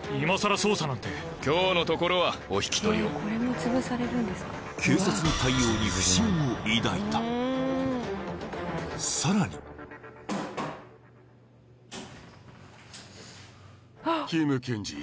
捜査なんて今日のところはお引き取りを警察の対応に不審を抱いたさらにキム検事